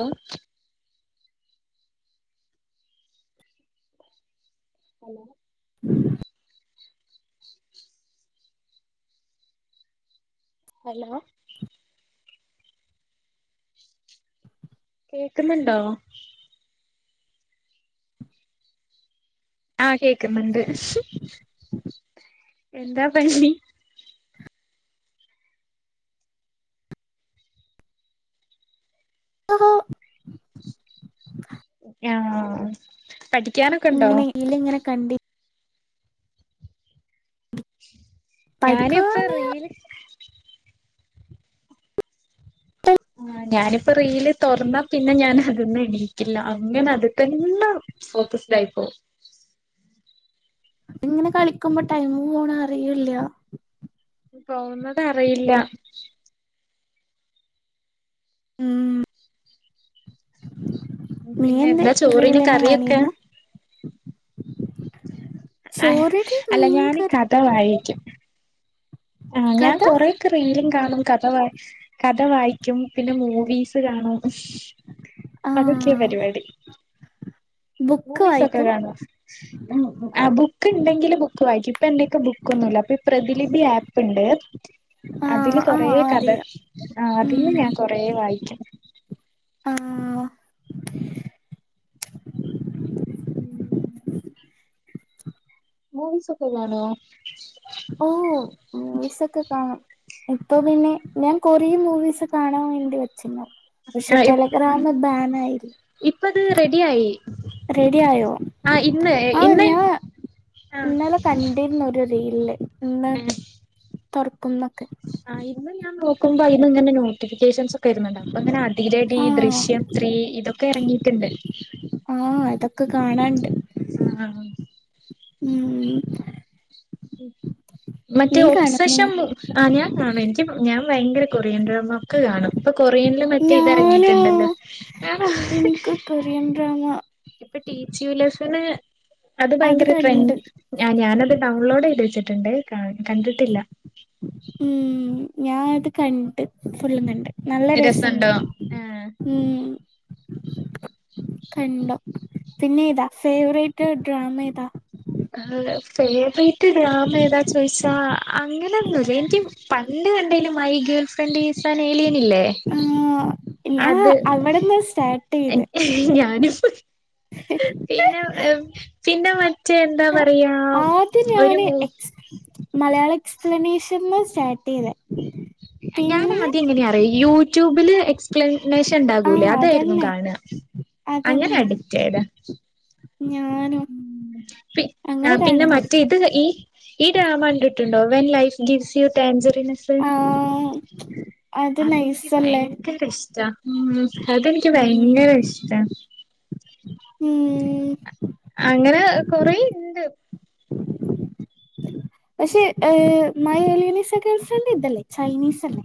Hello hello [inaudible] hello കേക്കുന്നുണ്ടോ ആഹ് കേക്കുന്നുണ്ട് എന്താ പണി [inaudible] [inaudible] ആഹ് പഠിക്കാനൊക്കെണ്ടോ? റീല്ങ്ങനെ കണ്ടി ഞാനീപ്പോ പഠിക്കാന് റീല് ടൈ- ആഹ് ഞാനിപ്പോ റീൽ തുറന്നാ പിന്നെ ഞാൻ അത് ന്ന് എണീക്കില്ല അങ്ങനെ അത് തന്നെ ഫോക്കസിടായിപ്പോ ഇങ്ങനെ കളിക്കുമ്പോ ടൈമ് പോണ് അറിയുല്ല. പോകന്നത് അറിയില്ല ഉം നീ പിന്നെ എന്ത് എന്താ ഡ്രീൽ ചോറിന് തന്നെ കറിയൊക്കെ കാണിരുന്നു. ആഹ് ചോറിന് അല്ല ഞാന് മീൻകറി കഥ വായിക്കും ആഹ് ഞാൻ കഥ കൊറെയൊക്കെ റീലും കാണും കഥ വ കഥ വായിക്കും പിന്നെ മൂവീസ് കാണും. ആ അതൊക്കെയ പരിപാടി. ബുക്ക് മൂവീസൊക്കെ വായിക്കും കാണോ? ഉ ആ ബുക്ക് ഉണ്ടെങ്കില് ബുക്ക് വായിക്കും ഇപ്പ എന്റെക്കെ ബുക്കൊന്നുല്ല അപ്പൊ ഈ പ്രതിലിപി ആപ്പ് ഉണ്ട്. ആ അതില് ആ കൊറ ആ, കഥ അറിയാം ആഹ് അതിന്ന് ഉം, ഞാൻ കൊറെ വായിക്കും. ആഹ് ഉം മൂവിസൊക്കെ കാണോ ഓഹ് മൂവിസൊക്കെ കാണും. ഇപ്പൊ പിന്നെ ഞാൻ കൊറേ മൂവിസ് കാണാൻ വേണ്ടി വെച്ചിക്ക്ണ്. പക്ഷെ ആ ടെലഗ്രാാം ബാനായിരുന്നു. ഇപ്പത് റെഡിയായി. റെഡി ആയോ ആ ഇന്ന് ആഹ് ഇന്ന് ഞാൻ ആ ഇന്നലെ കണ്ടിരുന്നൊരു റീല്. പിന്നെ തുറക്കുന്നൊക്കെ. ആഹ് ഇന്ന് ഞാൻ നോക്കുമ്പോ അയിന്ന് ഇങ്ങനെ നോട്ടിഫിക്കേഷൻസ് വരുന്നുണ്ട് അപ്പൊ അങ്ങനെ അതിലടി ആഹ് ദൃശ്യം ത്രീ ഇതൊക്കെ ഇറങ്ങിയിട്ടുണ്ട്. ആഹ് അതൊക്കെ കാണാണ്ട്. ആഹ് ആഹ് ഉം മറ്റേ നീ കാണുമോ ഒബ്സഷം മൂ ആഹ് ഞാൻ കാണും എനിക്ക് ഞാൻ ഭയങ്കര കൊറിയൻ ഡ്രാമ ഒക്കെ കാണും പ്പൊ കൊറിയൻ ൽ മറ്റേ ഇത് ഞാനോ ഇറങ്ങിയിട്ടുണ്ടല്ലോ. ആണോ എനിക്ക് കൊറിയൻ ഡ്രാമ ഇപ്പൊ ടീച്ച്യൂ ലസ്ന് അത് ഭയങ്കര ട്രെൻ ആ ഞാനത് ഡൗൺലോഡ് ചെയ്ത് വെച്ചിട്ടുണ്ട് കണ്ടിട്ടില്ല ഉം ഞാൻ അത് കണ്ട്. ഫുള്ളും കണ്ട് നല്ല രസണ്ട് രസണ്ടോ ഉം കണ്ടോ പിന്നെ ഏതാ ഫേവറേറ്റ് ഡ്രാമ ഏതാ ഫേവറേറ്റ് ഡ്രാമ ഏതാ ചോയിച്ചാ അങ്ങനൊന്നുല്ല ൻക്ക് പണ്ട് കണ്ടേൽ my girl friend is an alien ഇല്ലേ ആഹ് ഞാൻ അത് അവിടെന്ന് സ്റ്റാർട്ട് ചെയ്ത് ഞാനും പിന്നെ പിന്നെ മ ആദ്യം ഞാന് മൂ എക്സ് മലയാള എക്സ്പ്ലനേഷൻ ന്ന് സ്റ്റാർട്ട് ചെയ്ത ഞാൻ ആദ്യം എങ്ങനെയാ അറിയോ യൂട്യൂബില് എക്സ് പ്ലനേഷൻ ണ്ടാകൂലേ ആഹ് അതായിരുന്നു അതന്നെ കാണ അങ്ങനെ അതന്നെ അഡിക്റ്റ് ആയതാ ഞാനും ഉ പി അങ്ങനെ പിന്നെ കാണുന്നത് മറ്റേ ഇത് ഈ ഈ ഡ്രാമ കണ്ടിട്ടുണ്ടോ? When life gives you tangerines ആ അത് അതെനിക്ക് ബയ നൈസല്ലേ ങ്കര ഇഷ്ടാ. ഉ അതെനിക്ക് ഉം ഭയങ്കര ഇഷ്ട ഉം അങ്ങനെ കൊറൊ ഇണ്ട് പക്ഷേ മൈ ഏലിയനീസ ഗേൾ ഫ്രണ്ട് ഇതല്ലേ ചൈനീസ് അല്ലേ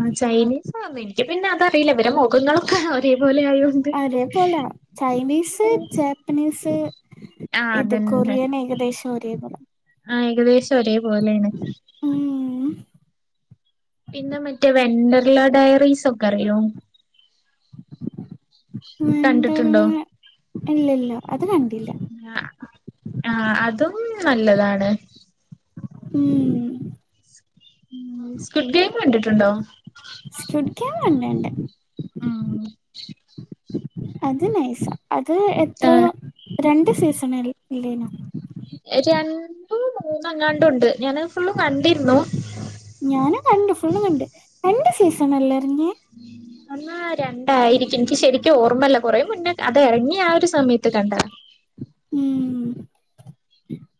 ആ ചൈനീസ് ആ എനിക്ക് പിന്നെ അതറിയില്ല ഇവരെ മുഖങ്ങളൊക്കെ തേ പോലെ ആ യോ ഒരേ പോല ചൈനീസ് പ്പനീസ് ആ ഇത് അതന്നെ കൊറിയൻ ഏകദേശം ഒരേ പോലെ ആ ഏകദേശം ഒരേ പോലൊണ് ഉം പിന്നെ മറ്റേ വെന്റർല ഡയറീസ് ഒക്കെ അറിയോ? വെണ്ടർല കണ്ടിട്ടുണ്ടോ ഇല്ലല്ല അത് കണ്ടില്ല ആഹ അതും നല്ലതാണ് ഉം സ്ക്ിഡ് ഗെയിം കണ്ടിട്ടുണ്ടോ സ്‌ കുട് ഗെയിം കണ്ട് ണ്ട് ഉം അത് നൈസ. അത് ആ എത്രോ രണ്ട് സീസൺ ഇല്ലനോ രണ്ടു മൂന്ന ങ്ങാണ്ട് ഉണ്ട് ഞാനത് ഫുള്ള് കണ്ടിരുന്നു ഞാനും കണ്ടു ഫുള്ളും കണ്ട്. രണ്ട് സീസണ ല്ലെ എർങ്ങിയ [unintelligible] ആഹ് രണ്ടായിരിക്കും നിക്ക് ശരിക്കും ഓർമ്മല്ല കൊറേ മുന്നെ അത് എറങ്ങി ആ ഒരു സമയത്ത് കണ്ടതാ ഉം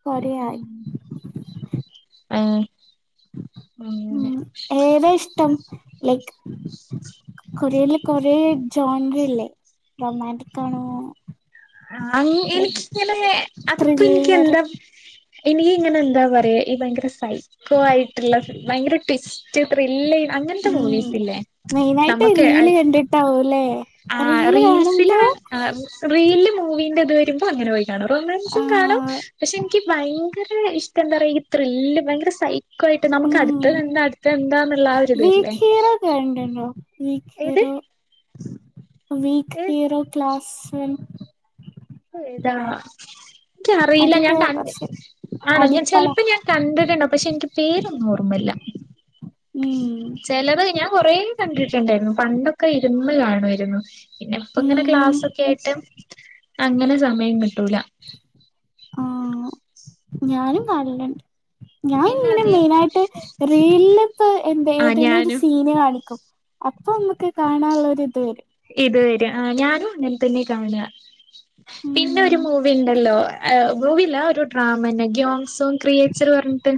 കൊ റേയായി ഉം ഏ ഹ് ഉം ഏതാ ഇഷ്ടം ലൈക്ക് കൊറിയൻ ൽ കൊറേ ജോൺറി ഇല്ലേ റൊമാന്റിക് ആണോ? ആ ലൈക് എനിക്കങ്ങനെ അതിപ്പോ നിക്ക് ത്രില്ലർ എന്താ എനിക്ക് ഇങ്ങനെ എന്താ പറയാ ഈ ഭയങ്കര സൈക്കോ ആയിട്ടുള്ള ഭയങ്കര ട്വിസ് റ്റ് ത്രില്ല് അങ്ങനത്തെ ഉം മൂവീസ് ഇല്ലേ മെയിനായിട്ട് നമുക്ക് റീല് കണ്ടിട്ടാവൂല്ലേ ആ റീല് കാണുമ്പോ റീൽസിലാണ് ആ റീല് മൂവിീന്റെ ഇത് വരുമ്പോ അങ്ങനെ പോയി കാണും റൊമാൻസും കാണാം ആഹ് പക്ഷെ എനിക്ക് ഭയങ്കര ഇഷ്ടം എന്താ പറയാ ഈ ത്രില്ല് ഭയങ്കര സൈ കോയിട്ട് നമുക്ക് ഉം അടുത്തത് എന്താ അടുത്ത എന്താന്നുള്ള ഒരിത്വരില്ലേ വീക്ക് [unintelligible] വീക്ക് ഏത് ഹീറോ ക്ലാസ് വൻ [unintelligible] ഏതാ എനിക്കറിയില്ല അതൊക്കെ ഞാൻ ക കൊറച്ച് ആണോ ഞാൻ അടിപ്പടം ചെലപ്പോം ഞാൻ, കണ്ടട്ടുണ്ടാവും. പക്ഷെ എനിക്ക് പേരൊന്നും ഓർമ്മല്ല. ഉം ചെലത് ഞാൻ കൊറെേ കണ്ടിട്ടുണ്ടായിരുന്നു. പണ്ടൊക്കെ ഇരുന്ന് കാണുമായിരുന്നു. പിന്നെ ഇപ്പ ഇങ്ങനെ ഉം ക്ലാസ്സൊക്കെ ആയിട്ട് അങ്ങനെ സമയം കിട്ടൂല. ആഹ് ഞാനും കാണല് [unintelligible] ഞാൻ പിന്നെ ഇങ്ങനെ അത് മെയിനായിട്ട് റീലത്തേ, എന്താ ആ ഏതെങ്കലും ഒരു ഞാനും സീന് കാണിക്കും. അപ്പൊ നമുക്ക് കാണാനുള്ളൊരു ഇത് വരും. ഇത് വരും. ആ ഞാനും ഇങ്ങന്നെ തന്നെ കാണ. പിന്നെ ഒരു ഉം മൂവി ഉണ്ടല്ലോ. ഏഹ് മൂവില്ല ഒരു ഡ്രാമന്നെ. ഗ്യോങ്ങ് സോങ് ക്രിയേച്ചർ പറഞ്ഞിട്ട്.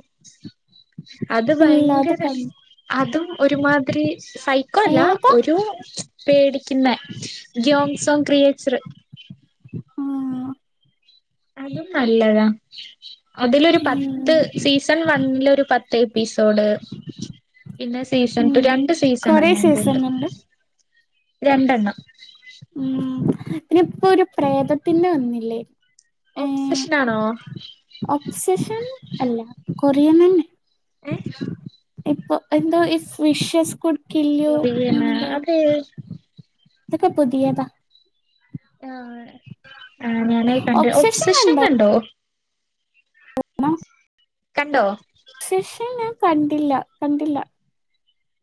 അത് ഇല്ല അത് ഭയങ്കര, കണ്ട് അതും ഒരുമാതിരി സൈക്കോല്ല. ഏതാ ഒരു, പേടിക്കുന്ന ഗ്യോങ് സോങ് ക്രിയേച്ചറ്. ആ അതും നല്ലതാ. അതിലൊരു പത്ത് ഉം സീസൺ വണ്ണില ഒരു പത്ത്, എപ്പിസോഡ്. പിന്നെ സീസൺ ഉം രണ്ട് സീസൺ കൊറേ എങ്ങാന് സീസൺ ണ്ട്. ഉണ്ട് രണ്ടെണ്ണം. ഉം ഇപ്പോ ഒരു പ്രേതത്തിന്റെ വന്നില്ലേ? ഒപ്സെഷനാണോ? ഒപ്സെഷൻ അല്ല, കൊറിയൻ തന്നെ. ഏ ഇപ്പൊ എന്തോ ഈ ഫിഷസ് കുടുക്കല്ല്യോ അങ്ങന കൊറിയനാ എന്തോ ആണ്. അത് ഇതൊക്കെ പുതിയതാ. ആഹ് ആ ഞാനായി കണ്ട, ഒബ്സഷൻ കണ്ടോ? [unintelligible] കണ്ടോ? സഷൻ ഞാൻ കണ്ടില്ല, കണ്ടില്ല.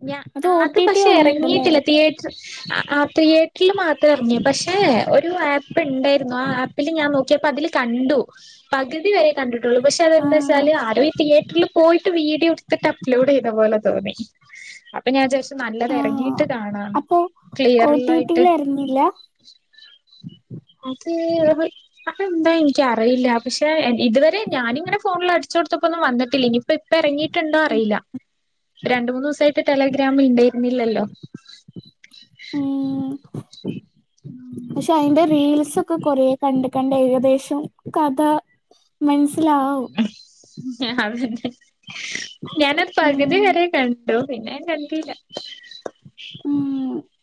ഞാ ഒ അത് ടി ടി പക്ഷെ വന്നിട്ടല്ലേ ഇറങ്ങിയിട്ടില്ല. തിയേറ്ററ് ആ തിയേറ്ററില് മാത്ര എറങ്ങെ. പക്ഷെ ഒരു ആപ്പ് ഉണ്ടായിരുന്നു. ആ ആ പ്പില് ഞാൻ നോക്കിയപ്പോ അതില് കണ്ടു. പകുതി വരെ കണ്ടിട്ടുള്ളൂ. പക്ഷെ അതെന്താ ആഹ് വച്ചാല് ആരോ തിയേറ്ററിൽ പോയിട്ട് വീഡിയോടുത്തിട്ട്, അപ് ലോഡ് ചെയ്ത പോലെ തോന്നി. അപ്പൊ ഞാൻ വിചാരിച്ചു നല്ലത് ആഹ് ഇറങ്ങീയിട്ട് കാണാന്ന്. അപ്പൊ ഒ ടി ക്ലിയറലായിട്ട്. ടിയിലായിരുന്നില്ല അത് [unintelligible] അത് എന്താ എനിക്കറിയില്ല. പക്ഷെ ഇതുവരെ ഞാനിങ്ങനെ ഫോണിൽ അടി ചൊടുത്തപ്പോന്നും വന്നിട്ടില്ല. ഇനിയിപ്പ ഇപ്പ ഇറങ്ങിട്ടുണ്ടോ അറിയില്ല. രണ്ട് മൂന്ന് ദിവസായിട്ട് ടെലഗ്രാമിൽ ഉണ്ടായിരുന്നില്ലല്ലോ. ഉം ഉം പക്ഷെ അയിന്റെ റീൽസൊക്കെ കൊറേ കണ്ട്‌ കണ്ട് ഏകദേശം കഥ മനസി ലാവും. അതന്നെ. ഞാന ഉം പകുതി വരെ ക ണ്ടു. പിന്നെ ഞാൻ കണ്ടിട്ടില്ല. ഉം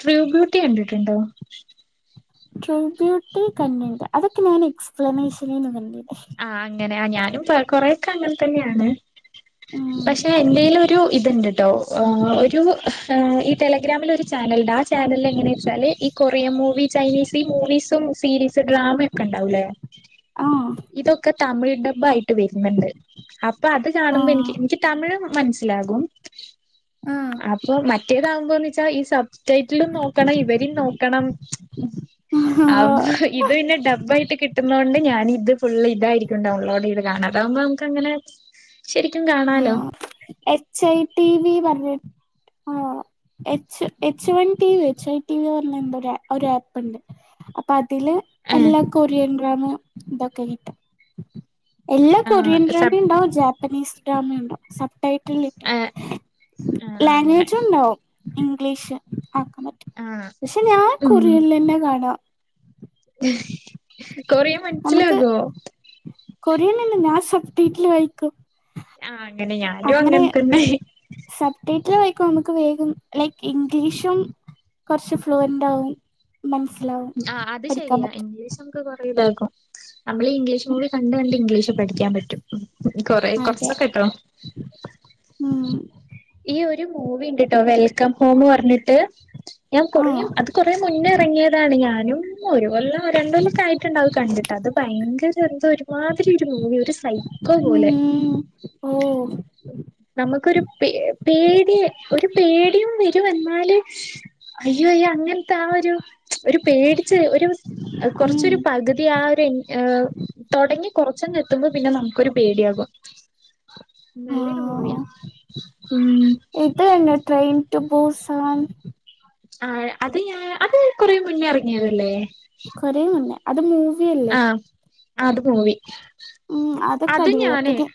ട്രൂ ബ്യൂട്ടി കണ്ടിട്ടുണ്ടോ? ട്രൂ ബ്യൂട്ടി കണ്ടണ്ട്. അതൊക്കെ ഞാൻ എക്സ്പ്ലനേഷനിന്ന് കണ്ടണ്ട്‌. ആഹ് അങ്ങനെ. ഞാനും കൊറെക്കെ അങ്ങനെ തന്നെ ആണ്. ഉം പക്ഷെ എൻ്റെല് ഒരു ഇതുണ്ട്ട്ടോ. ഒരു ഈ ടെലഗ്രാമിൽ ഒരു ചാനലുണ്ട്, ആ ചാനലിൽ എങ്ങനെയാ വെച്ചാല് ഈ കൊറിയൻ മൂവി, ചൈനീസ് ഈ മൂവീസും സീരീസ് ഡ്രാമൊക്കെ ഉണ്ടാവുല്ലേ, ആഹ് ഇതൊക്കെ തമിഴ് ഡബ് ആയിട്ട് വരുന്നുണ്ട് അപ്പൊ അത് കാണുമ്പോ ആഹ് എനിക്ക് എനിക്ക് തമിഴ് മനസ്സിലാകും അപ്പൊ മ മറ്റേതാകുമ്പോന്ന് വെച്ചാ ഈ സബ്റ്റൈറ്റിലും നോക്കണം ഇവരും നോക്കണം ആഹ് ആ ഇത് പിന്നെ ഡബ്ബായിട്ട് കിട്ടുന്ന കൊണ്ട് ഞാനിത് ഫുള് ഇതായിരിക്കും ഡൗൺലോഡ് ചെയ്ത് കാണം അതാകുമ്പോ നമുക്ക് അങ്ങനെ ശരിക്കും കാണാലോ ആഹ് എച്ച് ഐ ടി വി വന്ന H H one T V H one T V എന്ന് പറഞ്ഞ എന്തേ ഒരു ആപ്പ് ഉണ്ട് അതില് ഏഹ് എല്ലാ കൊറിയൻ ഡ്രാമഇതൊക്കെ കിട്ടും എല്ലാ ആഹ് കൊറിയൻ ഡ്രാമ സബ് ഉണ്ടാവും ജാപ്പനീസ് ഡ്രാമ ഉണ്ടാവും ഏഹ് ആഹ് ആഹ് അങ്ങനെ ലാംഗ്വേജ് ഉണ്ടാവും ഇംഗ്ലീഷ് ആക്കാൻ പറ്റും ആഹ് പക്ഷെ ഞാൻ ഉം കൊറയലില് തന്നെ കാണുക കൊറിയൻ മനുസിലാകുമോ കൊറിയൻ ഞാൻ സപ്പ്ട്ടില് വൈക്കും ആ അങ്ങനെ ഞാനും അങ്ങനെ തന്നെ സബ്ടൈറ്റില് വയ്ക്കും നമുക്ക് വേഗം ലൈക്ക് ഇംഗ്ലീഷും കുറച്ച് ഫ്ലൂുവന്റ് ആവും മനസ്സിലാവും പഠിക്കാൻ പറ്റും കുറെ ഇതാക്കും നമ്മള് ഇംഗ്ലീഷ് മീഡിയം കണ്ട് കണ്ട് ഇംഗ്ലീഷ് പഠിക്കാൻ പറ്റും കൊറ അതെ കൊറച്ചൊക്കെ കേട്ടോ ഉം ഈ ഒരു മൂവി ഉണ്ടട്ടോ വെൽക്കം ഹോം പറഞ്ഞിട്ട് ഞാൻ ആ കുറേ അത് കുറേ മുന്നേ ഇറങ്ങിയതാണ് ഞാനും ഒരു കൊല്ലം രണ്ട്കൊല്ലൊക്കെ ആയിട്ടുണ്ടാവും അത് കണ്ടിട്ട് അത് ഭയങ്കര എന്ത ഒരുമാതിരി ഒരു മൂവി ഒരു സൈക്കേ ക്ക പോലെ ഉം ഓ നമുക്കൊരു പേ പേടിയ ഒരു പേടിയും വെരും എന്നാല് അയ്യോ അയ്യോ അങ്ങനത്തൊ ആ ഒരു ഒരു പേടിച്ച് ഒരു ഉം കൊറച്ചൊരു പകുതി ആ ഒരു തൊടങ്ങി കുറച്ചെങ്ങ് എത്തുമ്പോൾ പിന്നെ നമുക്കൊരു പേടിയാകും നല്ലൊരു മൂവിയ ആ ഉം അ തന്നെ ട്രെയിൻ ടു ബൂസെവൻ ആ അത് ഞാ അത് കൊറെ മുന്നേ ഇറങ്ങിയതല്ലേ കൊറേ മുന്നേ അത് മൂവിയല്ലേ ആഹ് അത് മൂവി ഉം അതൊക്കെ അത് അടിപൊളിയാ ഞാനേ പിന്നെ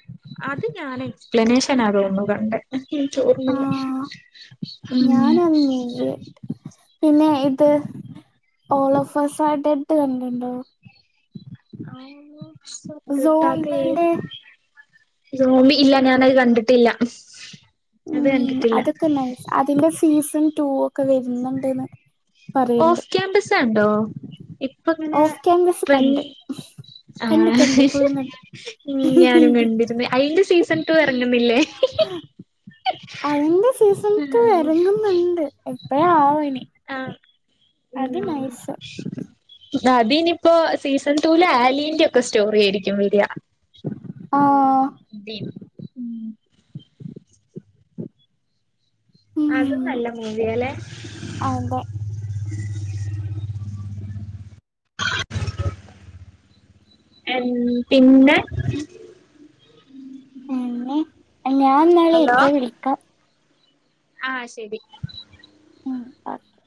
അത് ഞാനേ ല [unintelligible] നേഷന ആകോ ഒന്നു കണ്ടേ ച്ച [unintelligible] ആഹ് ഞാന് ആ മൂവി പിന്നെ ഇത് ഓളോഓഫേഴസായിട്ട് എട്ട് കണ്ടിണ്ടോ ആട്ടാത [unintelligible] സോംബിന്റെ നോമി ഇല്ല ഞാനത് കണ്ടിട്ടില്ല അത് ഉം കണ്ടിട്ടില്ല അതൊക്കെ നൈസ് അതിന്റെ സീസൺ റ്റൂ ഒക്കെ വെരുന്നുണ്ട്ന്ന് ഓഫ് ക്യാമ്പസ് ഉണ്ടോ ഇപ്പ ഇങ്ങനെ ഓഫ് ക്യാമ്പസ് ട്രെൻ കണ്ട് കണ്ട് കണ്ട് ആഹ് ശ് ഫുള്ളും കണ്ട് ഉം ഞാനും കണ്ടിന്ന് അയിന്റെ സീസൺ ടു ഇറങ്ങുന്നില്ലേ അയിൻ്റെ സീസൺ റ്റു എറങ്ങ്ന്നുണ്ട് എപ്പഴാ ആവോ എനി ആഹ് ഉം അതിനിയിപ്പോ സീസൺ റ്റുവില് ആലീൻ്റൊക്കെ സ്റ്റോറിയേരിക്കും വെരുവ [inaudible] ആഹ് ഉം അതും നല്ല മൂവിയാലെ അതെ എൻ പിന്നെ. ങും ഞാനെന്നാലെ ഇപ്പ വിളിക്കാം. ആഹ് ശരി. ഉം ഓക്കെ.